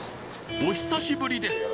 お久しぶりです！